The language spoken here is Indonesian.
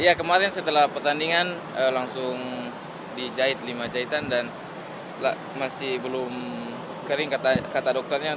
ya kemarin setelah pertandingan langsung dijahit lima jahitan dan masih belum kering kata dokternya